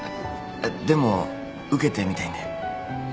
でも受けてみたいんで。